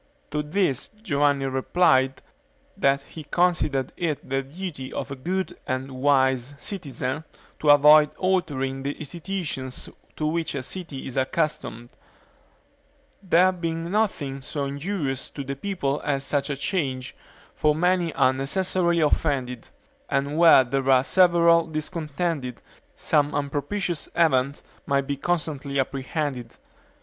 To this Giovanni replied, that he considered it the duty of a good and wise citizen to avoid altering the institutions to which a city is accustomed; there being nothing so injurious to the people as such a change; for many are necessarily offended, and where there are several discontented, some unpropitious event may be constantly apprehended.